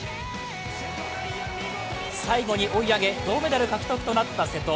最後に追い上げ銅メダル獲得となった瀬戸。